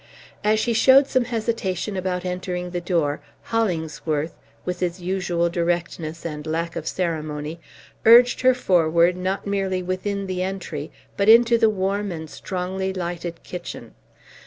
As she showed some hesitation about entering the door, Hollingsworth, with his usual directness and lack of ceremony, urged her forward not merely within the entry, but into the warm and strongly lighted kitchen.